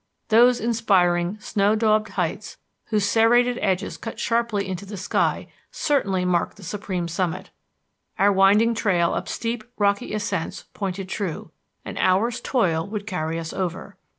Those inspiring snow daubed heights whose serrated edges cut sharply into the sky certainly marked the supreme summit. Our winding trail up steep, rocky ascents pointed true; an hour's toil would carry us over.